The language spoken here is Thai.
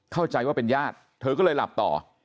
เข้าใจว่าเป็นญาติเธอก็เลยหลับต่อ